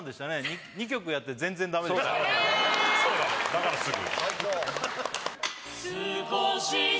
だからすぐ？